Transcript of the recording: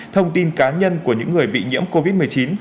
thông tin cá nhân của những người bị nhiễm covid một mươi chín